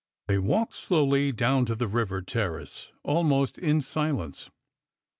They walked slowly down to the river terrace, almost in silence.